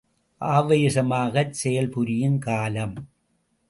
ஆவேசமாகச் செயல் புரியும் காலம்!